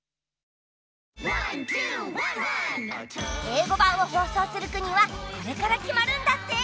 英語版を放送する国はこれからきまるんだって！